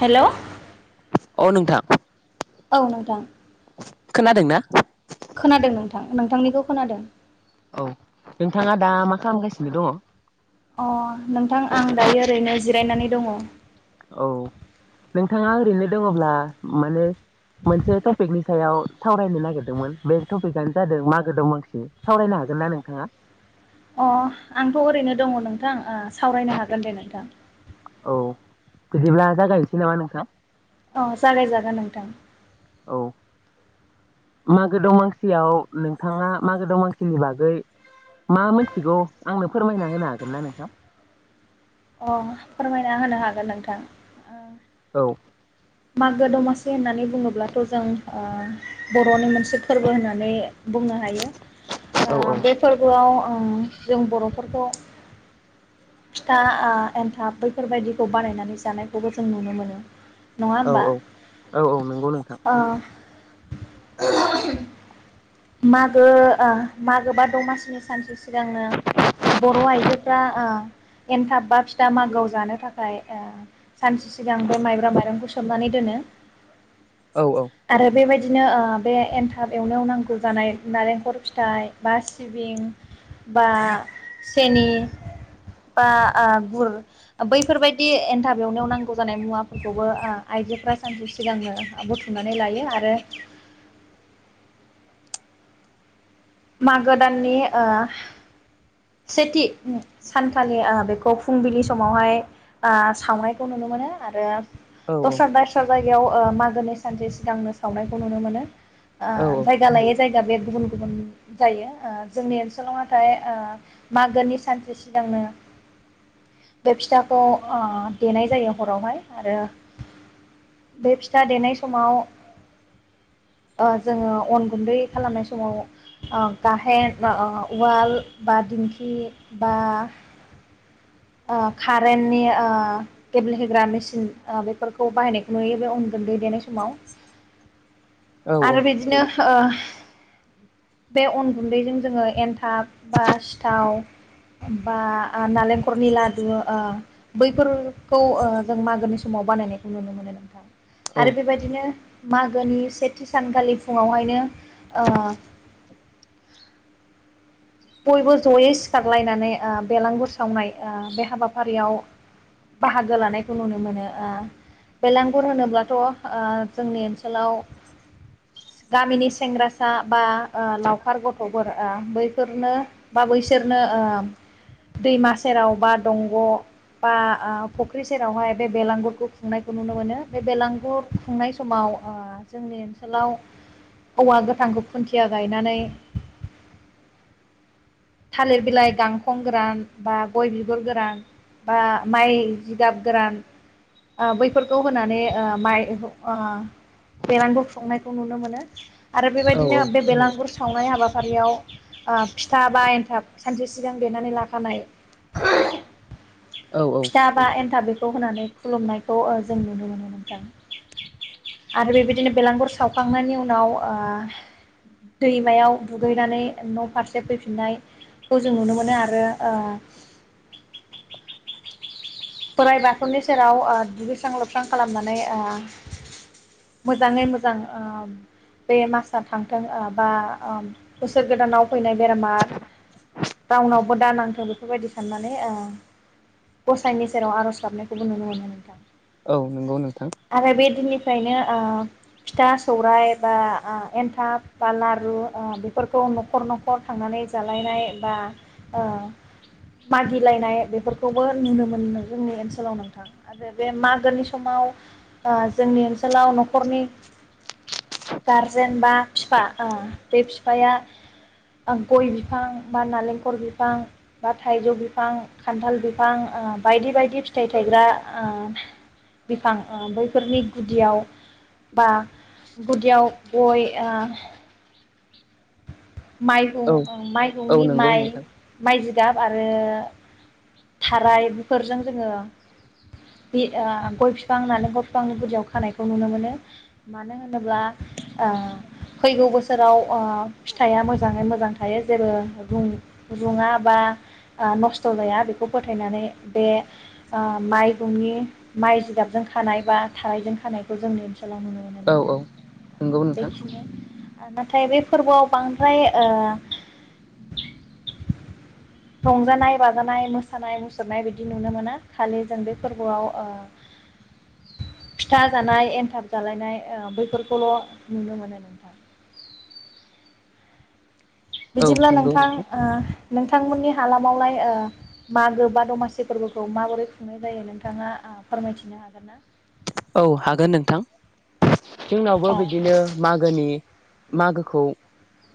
Hello औ नोंथां। औ नोंथां खोनादों ना? खोनादों नोंथां नोंथांनिखौ खोनादों। औ नोंथाङा दा मा खालामगासिनो दङ? अ नोंथां आं दायो ओरैनो जिरायनानै दङ। औ नोंथाङा ओरैनो दङब्ला माने मोनसे टपिकनि सायाव सावरायनो नागिरदोंमोन बे टपिकआनो जादों मागो दंमांसि सावरायनो हागोन ना नोंथाङा? अ आंथ' ओरैनो दङ नोंथां सावरायनो हागोन दे नोंथां औ बिदिब्ला जागायनोसै नामा नोंथां अ जागायजागोन नोंथां औ मागो दमासियाव नोंथाङा मागो दमासिनि बागै मा मोनथिगौ आंनो फोरमायना होनो हागोन ना नोंथां अ फोरमायना होनो हागोन नोंथां औ मागो दमासि होननानै बुङोब्लाथ' जों ओ बर'नि मोनसे फोरबो होननानै बुंनो हायो औ ओ बे फोरबोआव ओ जों बर'फोरखौ फिथा ओ एन्थाब बैफोरबायदिखौ बानायनानै जानायखौबो जों नुनो मोनो नङा औ होमबा? औ औ औ नंगौ नोंथां ओ [unintelligible] मागो ओ मागो बा दमासिनि सानसे सिगां सिगांनो बर' आइजोफ्रा ओ एनथाब बा फिथा मागोआव जानो थाखाय ओ सानसे सिगां बे माइब्रा माइरंखौ सोमनानै दोनो औ औ आरो बेबायदि बिदिनो ओ बे एनथाब एवनायाव नांगौ गौ जानाय नारेंखल फिथाइ बा सिबिं बा सेनि बा आ गुर बैफोरबायदि एन्थाबवनायाव नांगौ जानाय मुवाफोरखौबो आइजोफोरा सानसे सिगांनो बुथुमनानै लायो आरो मागो दाननि सेथि सानखालि ओ बेखौ फुंबिलि समावहाय सावनायखौ नुनो मोनो आरो औ [unintelligible] बेयाव ओ मागोनि सानसे सिगांनो सावनायखौ नुनो मोनो ओ औ जायगा लायो जायगा दा बे गुबुन गुबुन जायो ओ जोंनि ओनसोलाव नाथाय ओ मागोनि सानसे सिगांनो बे फिथाखौ ओ देनाय जायो हरावहाय आरो बे फिथा देनाय समाव ओ जोङो अन गुन्दै खालामनाय समाव ओ गाहेन बा उवाल बा दिंखि बा ओ कारेन्टनि ओ गेब्लेहोग्रा मेसिन बेफोरखौ बाहायनायखौ नुयो बे उन गुन्दै देनाय समाव औ आरो बिदिनो ओ बे अन गुन्दैजों जोङो एन्थाब बा सिथाव बा ओ नालेंखरनि लादु ओ बैफोरखौ ओ जों मागोनि समाव बानायनायखौ नुनो मोनो नोंथां औ आरो बेबायदिनो मागोनि सेथि सानखालि फुङावहायनो बयबो जयै सिखारलायनानै ओ बेलांगुर सावनाय ओ बे हाबाफारियाव बाहागो लानायखौ नुनो मोनो ओ बेलांगुर होनोब्लाथ' ओ जोंनि ओनसोलाव गामिनि सेंग्रासा बा ओ लावखार गथ'फोर ओ बै नो बा बैसोरनो ओ दैमा सेराव बा दंग' बा ओ फुख्रि सेरावहाय बे बेलांगुरखौ खुंनायखौ नुनो मोनो बे बेलांगुर खुंनाय समाव ओ जोंनि ओनसोलाव औवा गोथांखौ खुन्थिया गायनानै थालिर बिलाइ गांखं गोरान बा गय बिगुर गोरान बा माइ जिगाब गोरान ओ बैफोरखौ होनानै ओ माइ ओ बेरगुर खुंनायखौ नुनो मोनो आरो बेबायदिनो औ बे बेलागुर सावनाय हाबाफारियाव ओ फिथा बा एनथाब सानसे सिगां देनानै लाखानाय औ औ फिथाबा एन्थाब बे खौ होनानै खुलुमनायखौ ओ जों नुनो मोनो नोंथां आरो बेबायदिनो बेलांगुर सावखांनायनि उनाव ओ दैमायाव दुगैनानै न' फारसे फैफिननायखौ जों नुनो मोनो आरो ओ बोराइ बाथौनि सेराव ओ दुगैस्रां लोबस्रां खालामनानै ओ मोजाङै मोजां ओ बे मासआ थांथों ओ बा ओ बोसोर गोदानाव फैनाय बेरामा रावनावबो दा नांथों बेफोरबायदि साननानै ओ साइनि सेराव आर'ज गाबनायखौबो नुनो मोनो नोंथां। औ नंगौ नोंथां। बेफ्रायनो ओ फिथा सौराइ बा ओ एन्थाब बा लारु बेफोरखौ न'खर न'खर थांनानै जालायनाय बा ओ मागिलायनाय बेफोरखौबो नुनो मोनो। जोंनि ओनसोलाव नोंथां आरो बे मागोनि समाव ओ जोंनि ओनसोलाव न'खरनि गारजेन बा बिफा ओ बे बिफाया गय बिफां बा नालेंखर बिफां बा थाइजौ बिफां खान्थाल बिफां बायदि बायदि फिथाइ थायग्रा ओ बिफां ओ बैफोरनि गुदियाव बा गुदियाव गय औ माइहुं औ माइहुंनि नंगौ माइ नोंथां बायदि जि गाब आरो थाराय बेफोरजों जोङो बि ओ गय बिफां होननानै गय बिफांनि बुरदियाव खानायखौ नुनो मोनो मानो होनोब्ला ओ फैगौ बोसोराव अ फिथाइआ मोजाङै मोजां थायो जेबो रुङा बा ओ नस्थ' जाया बेखौ फोथायनानै बे ओ माइहुंनि माइ जिदाबजों खानाय बा थायजों खानायखौ जोंनि औ औ नंगौ नोंथां [unintelligible] नाथाय बे फोरबोआव बांद्राय ओ रंजानाय बाजानाय मोसानाय मुसुरनाय बिदि नुनो मोना खालि जों बे फोरबोआव ओ फिथा जानाय एनथाब जालायनाय ओ बैफोरखौल' नुनो मोनो नोंथां। औ बिदिब्ला नंगौ नोंथां ओ। नोंथांमोननि हालामावलाय ओ मागो बा दमासि फोरबोखौ माबोरै खुंनाय जायो नोंथाङा ओ फोरमायथिनो हागोन ना। औ हागोन नोंथां। जोंनावबो अ बिदिनो मागोनि मागोखौ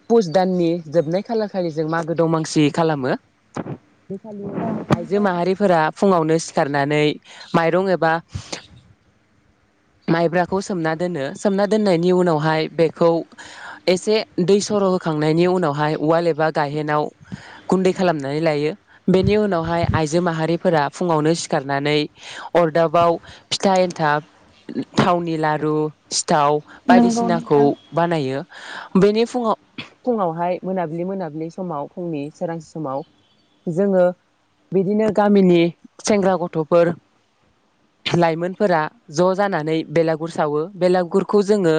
पुस दाननि जोबनाय खालार खालिजों मागो दंमासि खालामो। आजिखालि अ आइजो नंगौ माहारिफोरा फुङावनो सिखारनानै माइरं एबा माइब्राखौ सोमना दोनो सोमना दोननायनि उनावहाय बेखौ एसे दै सर' होखांनायनि उनावहाय उवाल एबा गाहेनाव गुन्दै खालामनानै लायो बेनि उनावहाय आइजो माहारिफोरा फुङावनो सिखारनानै अरदाबाव फिथा थाब थावनि लारु सि सिथाव नंगौ बायदिसिनाखौ नोंथां बानायो। बेनि फुङाव फुङावहाय मोनाब्लि मोनाबिलि समाव फुंनि सोरांसे समाव जोङो बिदिनो गामिनि सेंग्रा गथ'फोर लाइमोन फोरा ज' जानानै बेलागुर सावो बेलागुरखौ जोङो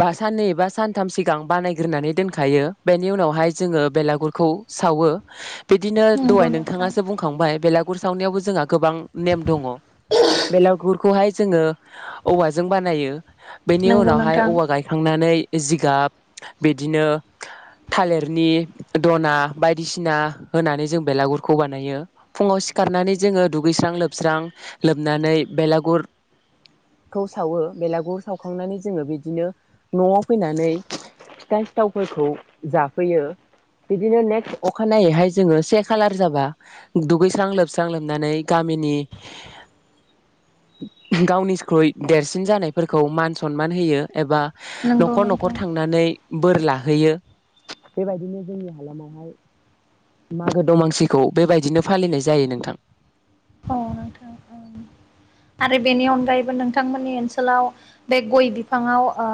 ब साननै बा सानथाम सिगां बानायग्रोनानै दोनखायो बेनि उनावहाय जोङो बेलागुरखौ सावो। बिदिनो दहाय नंगौ नोंथां नोंथाङासो बुंखांबाय बेला खुर सावनायावबो जोंहा गोबां नेम दङ। बेलागुरखौहाय जोङो औवाजों बानायो। बेनि नंगौ उनावहाय नोंथां औवा गायखांनानै जिगाब बिदिनो थालिरनि दना बायदिसिना होनानै जों बेलागुरखौ बानायो फुङाव सिखारनानै जोङो दुगैस्रां लोबस्रां लोब नानै बेलागुरखौ सावो बेलागुर सावखांनानै जोङो बिदिनो न'आव फैनानै फिथा सिथावफोरखौ जाफैयो बिदिनो नेक्स्ट अखानायैहाय जोङो से खालार जाबा दुगैस्रां लोबस्रां लोबनानै गामिनि गावनिख्रुइ देरसिन जानायफोरखौ मान सनमान होयो एबा नंगौ न'खर न'खर नोंथां थांनानै बोर लाहैयो बेबायदिनो जोंनि हालामावहाय मागो दमासिखौ बेबायदिनो फालिनाय जायो नोंथां। औ नोंथां ओं आरो बेनि अनगायैबो नोंथांमोननि ओनसोलाव बे गय बिफाङाव ओ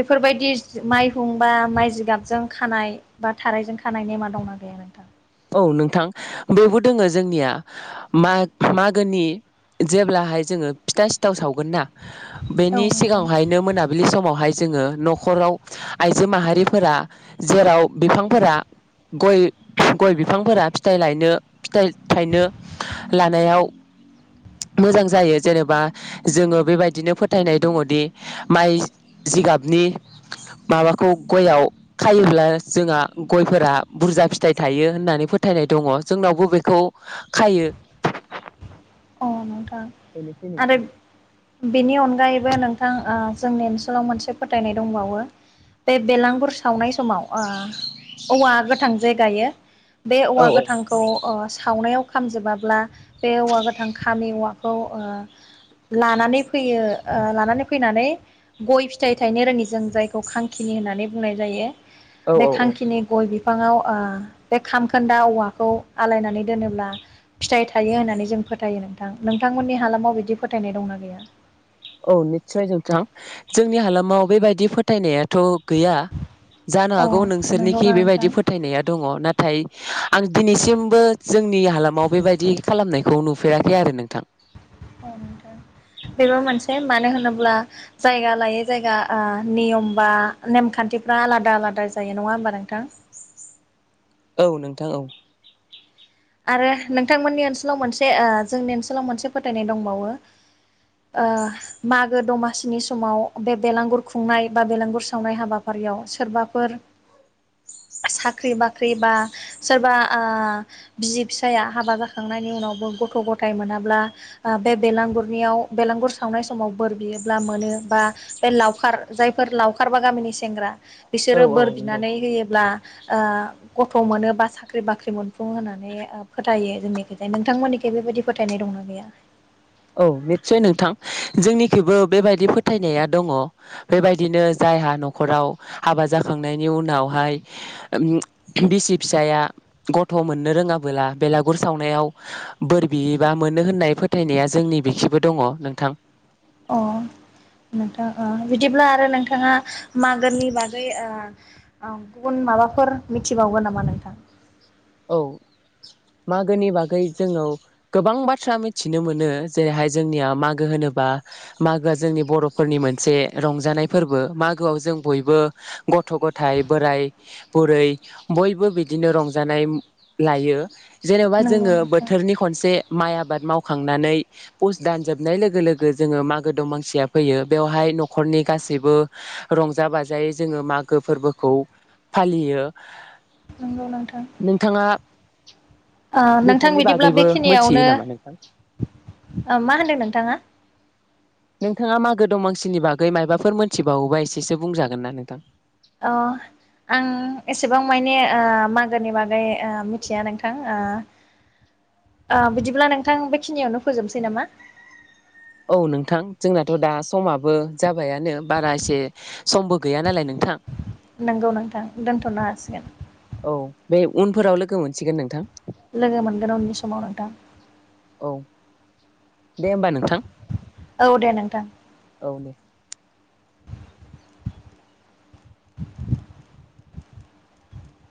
बेफोरबायदि माइहुं बा माइ जिगाबजों खानाय बा थारायजों खानाय नेमा दंना गैया नोंथां औ नोंथां बेबो दोङो जोंनिया मागोनि जेब्लाहाय जोङो फिथा सिथाव सावगोन ना औ बेनि नोंथां सिगाङावहायनो मोनाबिलि समावहाय जोङो न'खराव आइजो माहारिफोरा जेराव बिफांफोरा गय गय बिफांफोरा फिथायाइ लायनो फिथाइ थायनो लानायाव मोजां जायो जेनेबा जोङो बेबायदिनो फोथायनाय दङदि माइ जिगाबनि माबाखौ गयाव खायोब्ला जोंहा गयफोरा बुरजा फिथाइ थायो होननानै फोथायनाय दङ जोंनावबो बेखौ खायो औ नों थां बेनोसै नोंथां आरो बेनि अनगायैबो नोंथां ओ जोंनि ओनसोलाव मोनसे फोथायनाय दंबावो बे बेलांगुर सावनाय समाव ओ औवा गोथां जे गायो बे औ औवा औ गोथांखौ ओ सावनायाव खामजोबाब्ला बे औवा गो नि औवाखौ ओ लानानै फैयो ओ लानानै फैनानै गय फिथाइ थायनो रोङि जों जायखौ खांखिनि होननानै बुंनाय जायो औ बे औ औ खांखिनि गय बि बिफाङाव ओ बे खामखोन्दा औवाखौ आलायनानै दोनोब्ला फिथाइ थायो होननानै जों फोथायो नोंथां नोंथांमोननि हालामाव बिदि फोथायनाय दंना गैया औ निस्सय जोंथां जोंनि हालामाव बेबायदि फोथायनायाथ' गैया जानो अ हागौ नोंसोरनिखि नंगौना नोंथां बेबायदि फोथायनाया दङ नाथाय आं दिनैसिमबो जोंनि हालामाव बेबायदि खालामनायखौ नुफेराखै आरो नोंथां औ नोंथां बेबो मोनसे मानो होनोब्ला जायगा लायै जायगा ओ नियम बा नेमखान्थिफ्रा आलादा आलादा जायो नङा होमबा नोंथां औ नोंथां औ आरो नोंथांमोननि ओनसोलाव मोनसे ओ जोंनि ओनसोलाव मोनसे फोथायनाय दंबावो ओ मागो दमासिनि समाव बे बेलांगुर खुंनाय बा बेलांगुर सावनाय हाबाफारियाव सोरबाफोर साख्रि बाख्रि बा सोरबा आ बिसि फिसाया हाबा जाखांनायनि उनावबो गथ' गथाय मोनाब्ला ओ बे बेलांगुरनियाव बेलांगुर सावनाय समाव बोर बियोब्ला मोनो बा बे लावखार जायफोर लावखार बा गामिनि सेंग्रा औ बिसोरो बोर नंगौ बिनानै होयोब्ला आ गथ' मोनो बा साख्रि बाख्रि मोनफुंङो होनो माने ओ फोथायो जोंनिखिजाय नोंथांमोननिखै बेबायदि फोथायनाय दंना गैया औ निस्सय नोंथां जोंनिखैबो बेबायदि फोथायनाया दङ बेबायदिनो जायहा न'खराव हाबा जाखांनायनि उनावहाय उम बिसि फिसाया गथ' मोननो रोङाबोला बेलागुर सावनायाव बोर बियोबा मोनो होननाय फोथायनाया जोंनि बिखिबो दङ नोंथां अ नोंथां अ बिदिब्ला आरो नोंथाङा मागोनि बागै ओ ओं गुबुन माबाफोर मिथिबावगोन नामा नोंथां औ मागोनि बागै जोंऔ गोबां बाथ्रा मिथिनो मोनो जेरैहाय जोंनिया मागो होनोबा मागोआ जोंनि बर'फोरनि मोनसे रंजानाय फोरबो मागोआव जों बयबो गथ' गथाय बोराइ बुरै बयबो बिदिनो रं जानाय लायो जेनेबा नंगौ जोङो नोंथां बोथोरनि खनसे माइ आ बाद मावखांनानै पुस दानजोबनाय लोगो लोगो जोङो मागो दमांसिया फैयो बेवहाय न'खरनि गासैबो रंजा बाजायै जोङो मागो फोरबोखौ फालियो नंगौ नोंथां नोंथाङा ओ नोंथां बेफोरनि बिदिब्ला बागैबो मोनथियो बेखिनियावनो नामा नोंथां ओ मा होनदों नोंथाङा नोंथाङा मागो दमासिनि बागै मायबाफोर मोनथिबावोबा एसेसो बुंजागोन ना नोंथां अ आं एसेबां मायने ओ मागोनि बागै ओ मोनथिया नोंथां ओ ओ बिदिब्ला नोंथां बेखिनियावनो फोजोबनोसै नामा औ नोंथां जोंनाथ' दा समाबो जाबायानो बारा एसे समबो गैया नालाय नोंथां नंगौ नोंथां दोनथ'नो हासिगोन औ बे उनफोराव लोगो मोनसिगोन नोंथां लोगो मोनगोन उननि समाव नोंथां औ दे होमबा नोंथां औ दे नोंथां औ दे [inaudible]